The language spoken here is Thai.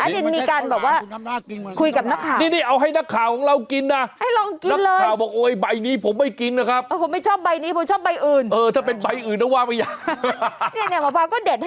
ต้นมาปางที่เธอชอบเด็ดใบอีแปด